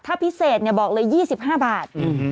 ถ้าพิเศษเนี่ยบอกเลย๒๕บาท